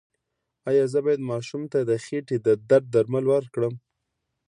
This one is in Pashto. ایا زه باید ماشوم ته د خېټې د درد درمل ورکړم؟